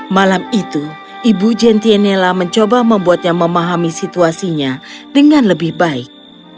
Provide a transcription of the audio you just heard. malam itu ibu gentienela mencoba membuatnya memahami situasinya dengan lebih baik